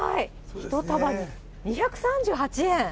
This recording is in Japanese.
１束２３８円？